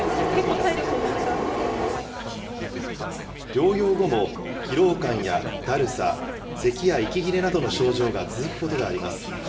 療養後も、疲労感やだるさ、せきや息切れなどの症状が続くことがあります。